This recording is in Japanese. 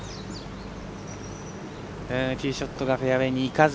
ティーショットがフェアウエーにいかず。